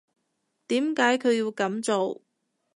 點解佢要噉做？